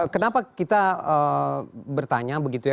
kenapa kita bertanya begitu ya